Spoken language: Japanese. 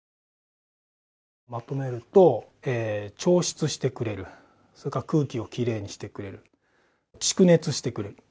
まとめると調湿してくれるそれから空気をきれいにしてくれる蓄熱してくれる。